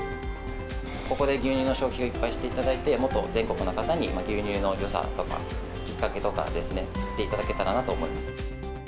ここで牛乳の消費をいっぱいしていただいて、もっと全国の方に牛乳のよさとか、きっかけとか知っていただけたらなと思います。